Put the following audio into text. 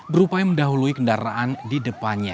berupaya mendahului kendaraan di depannya